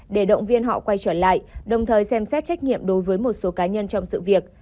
để động viên họ quay trở lại đồng thời xem xét trách nhiệm đối với một số cá nhân trong sự việc